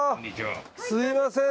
すみません